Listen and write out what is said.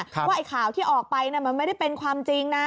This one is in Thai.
ว่าไอ้ข่าวที่ออกไปมันไม่ได้เป็นความจริงนะ